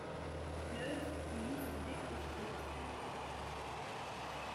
L’œuvre est mise en dépôt au TreM.a.